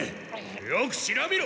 よく調べろ。